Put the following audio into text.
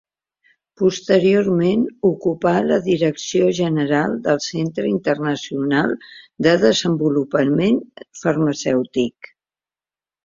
Posteriorment ocupà la direcció general del Centre Internacional de Desenvolupament Farmacèutic.